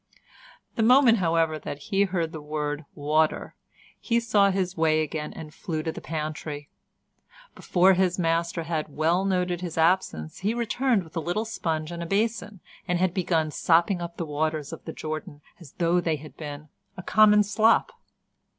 The moment, however, that he heard the word "water," he saw his way again, and flew to the pantry. Before his master had well noted his absence he returned with a little sponge and a basin, and had begun sopping up the waters of the Jordan as though they had been a common slop.